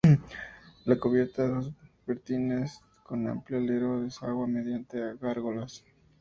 La cubierta a dos vertientes, con amplio alero, desagua mediante gárgolas.